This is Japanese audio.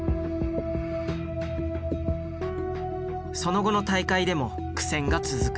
その後の大会でも苦戦が続く。